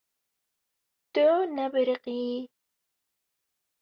Tu nebiriqiyî.